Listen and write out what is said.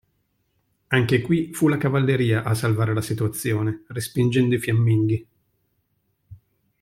Anche qui fu la cavalleria a salvare la situazione, respingendo i fiamminghi.